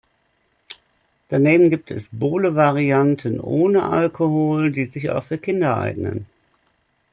Daneben gibt es Bowle-Varianten ohne Alkohol, die sich auch für Kinder eignen.